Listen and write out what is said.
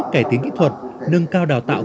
cải tiến kỹ thuật nâng cao đào tạo